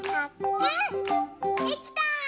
できた！